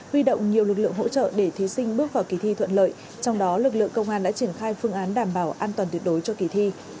huy động nhiều lực lượng hỗ trợ để thí sinh bước vào kỳ thi thuận lợi trong đó lực lượng công an đã triển khai phương án đảm bảo an toàn tuyệt đối cho kỳ thi